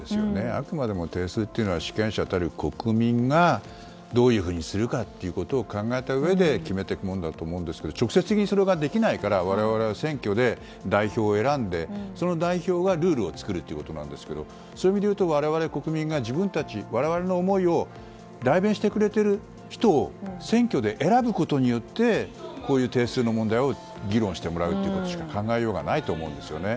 あくまでも定数というのは主権者たる国民がどういうふうにするかを考えたうえで決めていくものだと思うので直接的にそれができないから我々は選挙で代表を選んで、その代表がルールを作るということなんですがそういう意味でいうと我々国民が自分たち、我々の思いを代弁してくれている人を選挙で選ぶことによってこういう定数の問題を議論してもらうということしか考えようがないと思うんですよね。